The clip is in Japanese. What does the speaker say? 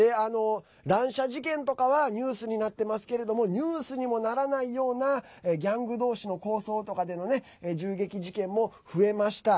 乱射事件とかはニュースになってますけれどもニュースにもならないようなギャングどうしの抗争とかでの銃撃事件も増えました。